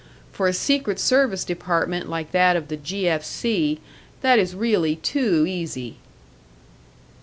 For a secret service department like that of the 'G. F. C.', that is really too easy."